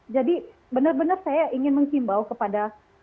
jadi benar benar saya ingin mengkimbau kepada